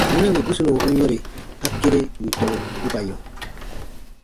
Wunɛ wì gusunɔ u yɔ̃re, a kere wì tɔnu u ka yɔ̃.